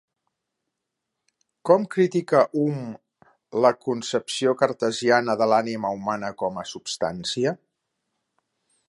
Com critica Hume la concepció cartesiana de l'ànima humana com a substància?